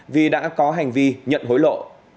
vì đã có hành vi nhận hối lộ